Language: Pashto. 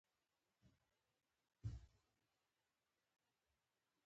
امکان لري چې نور وضاحت راکړې او ما پوه کړې.